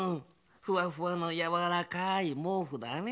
ふわふわのやわらかいもうふだね。